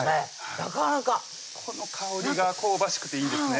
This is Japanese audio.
なかなかこの香りが香ばしくていいですね